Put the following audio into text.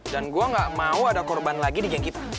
dan gue gak mau ada korban lagi di geng kita